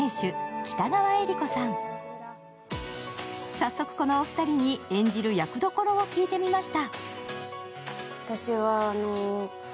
早速、このお二人に演じる役どころを聞いてみました。